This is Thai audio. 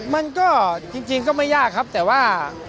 มันก็จริงก็ไม่ยากครับแต่ว่า